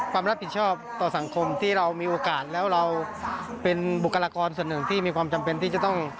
ความรับผิดชอบต่อสังคมที่เรามีโอกาสแล้วเราเป็นบุคลากรส่วนหนึ่งที่มีความจำเป็นที่จะต้อง